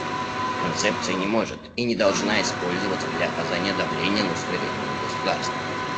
Концепция не может и не должна использоваться для оказания давления на суверенные государства.